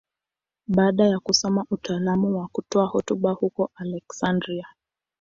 Baada ya kusoma utaalamu wa kutoa hotuba huko Aleksandria.